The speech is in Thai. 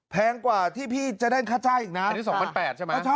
แพงกว่าที่พี่จะได้ค่าจ้ายอีกน้ำอันนี้สองพันแปดใช่ไหมเออใช่